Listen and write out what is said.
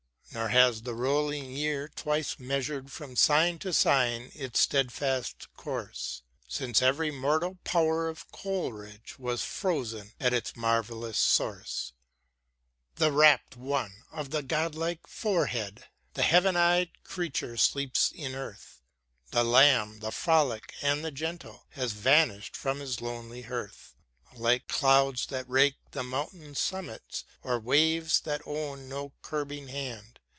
Nor has the roUing year twice measur'd From sign to sign its steadfast course, Since every mortal power of Coleridge Was frozen at its marvellous source. The rapt One of the godlike forehead. The heaven eyed creature sleeps in earth ; And Lamb, the frolic and the gentle Has vanished from his lonely hearth. Like clouds that rake the mountain summits Or waves that own no curbing hand.